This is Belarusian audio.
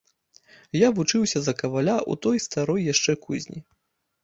Я вучыўся за каваля ў той старой яшчэ кузні.